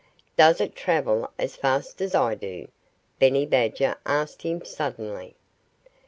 "Does it travel as fast as I do?" Benny Badger asked him suddenly.